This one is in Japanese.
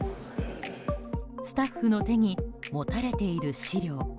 スタッフの手に持たれている資料。